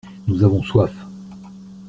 Nous avons soif.